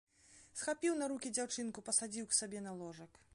Схапіў на рукі дзяўчынку, пасадзіў к сабе на ложак.